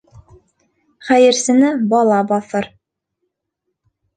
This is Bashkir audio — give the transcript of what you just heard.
Хәйерсене бала баҫыр.